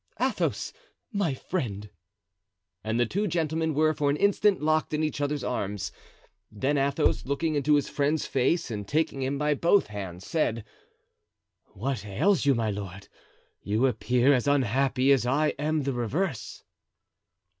"Athos, my friend!" And the two gentlemen were for an instant locked in each other's arms; then Athos, looking into his friend's face and taking him by both hands, said: "What ails you, my lord? you appear as unhappy as I am the reverse."